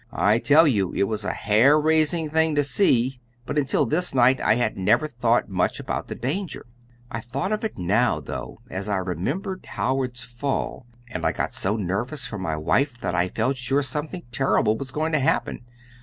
I tell you it was a hair raising thing to see, but until this night I had never thought much about the danger. I thought of it now, though, as I remembered Howard's fall, and I got so nervous for my wife that I felt sure something terrible was going to happen.